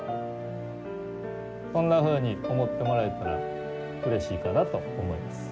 そんなふうに思ってもらえたらうれしいかなと思います。